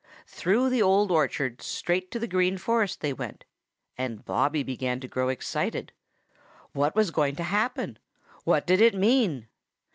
Through the Old Orchard straight to the Green Forest they went, and Bobby began to grow excited. What was going to happen? What did it mean?